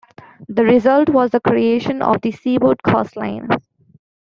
The result was the creation of the Seaboard Coast Line.